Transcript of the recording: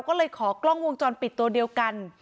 ก็เลยขอกล้องวงจรปิดตัวเดียวกัน